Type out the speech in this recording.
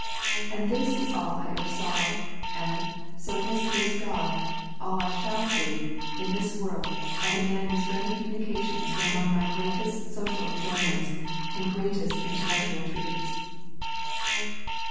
And this is all I ever saw, and, so it has pleased God, all I shall see in this world of a man whose friendly communications were among my greatest social enjoyments, and greatest intellectual treats."